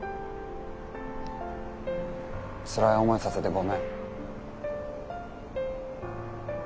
つらい思いさせてごめん。